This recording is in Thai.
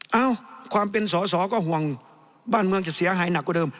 เอ้าความเป็นสอสอก็ห่วงบ้านเมืองจะเสียหายหนักกว่าเดิม